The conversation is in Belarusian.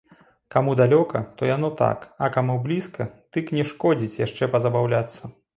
Каму далёка, то яно так, а каму блізка, дык не шкодзіць яшчэ пазабаўляцца.